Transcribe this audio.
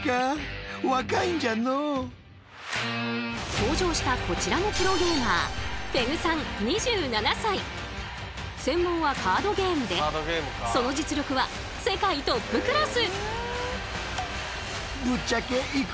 登場したこちらのプロゲーマー専門はカードゲームでその実力は世界トップクラス。